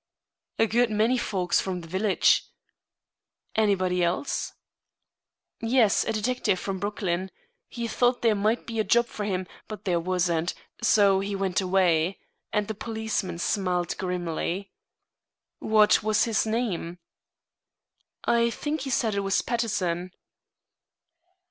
"A good many folks from the village." "Anybody else?" "Yes, a detective from Brooklyn. He thought there might be a job for him, but there wasn't, so he went away," and the policeman smiled grimly. "What was his name?" "I think he said it was Peterson."